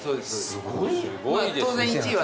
すごい。